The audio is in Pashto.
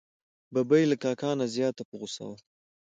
ببۍ له کاکا نه زیاته په غوسه وه.